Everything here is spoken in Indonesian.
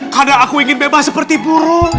karena aku ingin bebas seperti burung